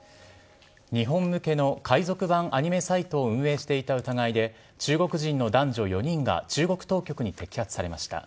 日本向けの海賊版アニメサイトを運営していた疑いで、中国人の男女４人が、中国当局に摘発されました。